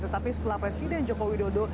tetapi setelah presiden joko widodo